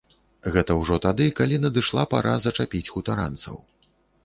Гэта ўжо тады, калі надышла пара зачапіць хутаранцаў.